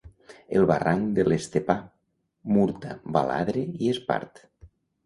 El barranc de l'Estepar: murta, baladre i espart.